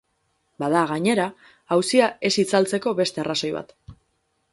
Bada, gainera, auzia ez itzaltzkeo beste arrazoi bat.